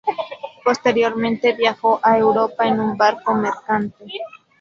Posteriormente, viajó a Europa en un barco mercante.